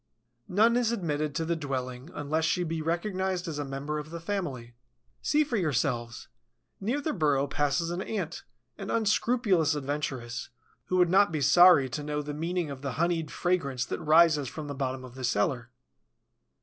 None is admitted to the dwelling unless she be recognized as a member of the family. See for yourselves. Near the burrow passes an Ant, an unscrupulous adventuress, who would not be sorry to know the meaning of the honeyed fragrance that rises from the bottom of the cellar.